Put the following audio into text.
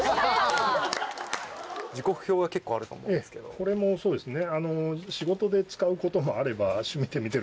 ええこれもそうですね。